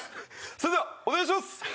それではお願いします！